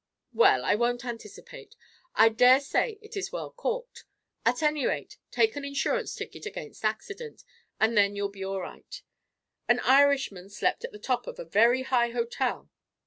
"Well, I won't anticipate: I dare say it is well caulked. At any rate, take an insurance ticket against accident, and then you'll be all right. An Irishman slept at the top of a very high hotel.